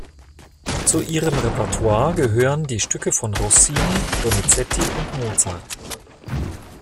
Zu ihrem Repertoire gehören die Stücke von Rossini, Donizetti und Mozart.